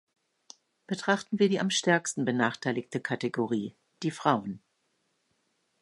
Betrachten wir die am stärksten benachteiligte Kategorie, die Frauen.